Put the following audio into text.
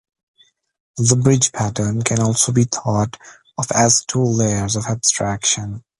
The bridge pattern can also be thought of as two layers of abstraction.